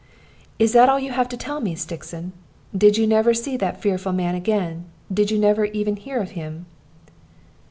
"Is that all you have to tell me, Stixon? Did you never see that fearful man again? Did you never even hear of him?"